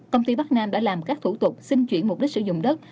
công ty bắc nam đã làm các thủ tục xin chuyển mục đích sử dụng đất